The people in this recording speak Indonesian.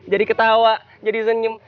jadi ketawa jadi senyum